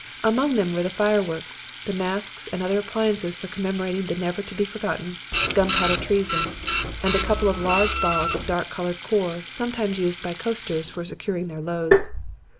Among them were the fireworks, the masks and other appliances for commemorating the never to be forgotten 'Gunpowder treason,' and a couple of large balls of a dark colored cord sometimes used by costers for securing their loads.